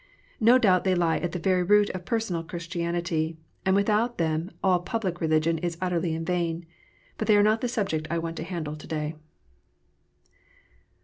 No doubt they lie at the very root of personal Christianity, and with out them all public religion is utterly in vain. But they are not the subject I want to handle to day.